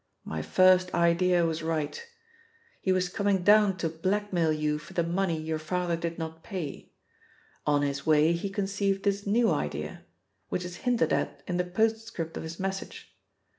"My first idea was right. He was coming down to blackmail you for the money your father did not pay. On his way he conceived this new idea, which is hinted at in the postscript of his message.